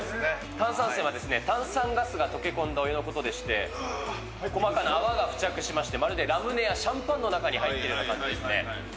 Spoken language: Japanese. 炭酸泉は、炭酸ガスが溶け込んだお湯のことでして、細かな泡が付着しまして、まるでラムネやシャンパンの中に入っていいね。